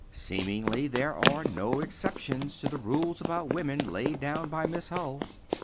Seemingly, there are no exceptions to the rules about women laid down by Miss Hull.